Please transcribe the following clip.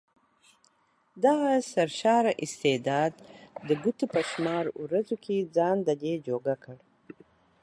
دغه سرشاره استعداد د ګوتو په شمار ورځو کې ځان ددې جوګه کړ.